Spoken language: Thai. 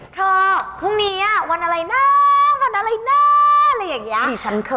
พรุ่งนี้วันอะไรนะวันอะไรนะอะไรอย่างนี้